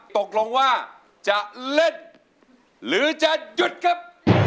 ตกลงว่าจะเล่นหรือจะหยุดครับ